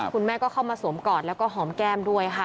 คุณแม่ก็เข้ามาสวมกอดแล้วก็หอมแก้มด้วยค่ะ